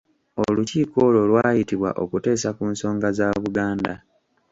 Olukiiko olwo lwayitibwa okuteesa ku nsonga za Buganda.